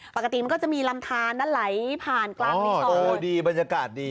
ปกติมันก็จะมีลำทานนะไหลผ่านกลางในซอยโอ้ดีบรรยากาศดี